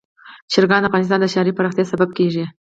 چرګان د افغانستان د ښاري پراختیا سبب کېږي.